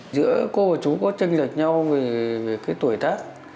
giữa cô và chú có tranh lệch nhau về cái tuổi tác